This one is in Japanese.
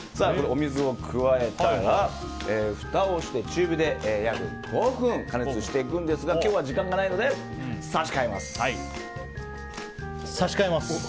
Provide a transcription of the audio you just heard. お水を加えたらふたをして中火で約５分加熱していくんですが今日は時間がないので差し替えます。